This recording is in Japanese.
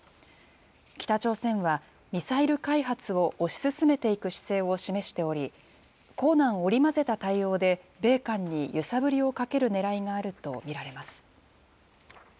北朝鮮は、ミサイル開発を推し進めていく姿勢を示しており、硬軟織り交ぜた対応で米韓に揺さぶりをかけるねらいがあると見られます。